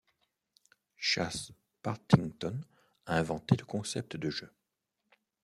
Chas Partington a inventé le concept de jeu.